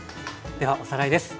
ではおさらいです。